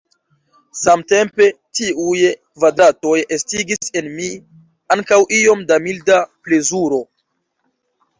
Samtempe, tiuj kvadratoj estigis en mi ankaŭ iom da milda plezuro.